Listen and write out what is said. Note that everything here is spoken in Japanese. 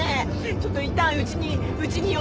ちょっといったんうちにうちに寄って。